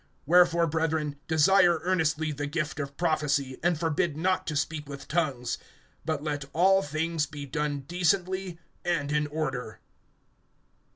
(39)Wherefore, brethren, desire earnestly the gift of prophecy, and forbid not to speak with tongues. (40)But let all things be done decently and in order.